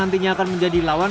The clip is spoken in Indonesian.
dari tim yang akan menjadi lawan